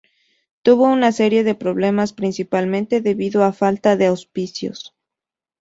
Tuvo una serie de problemas principalmente debido a falta de auspicios.